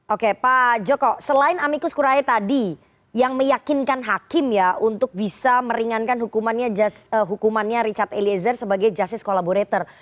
oke pak joko selain amikus kurahe tadi yang meyakinkan hakim ya untuk bisa meringankan hukumannya richard eliezer sebagai justice collaborator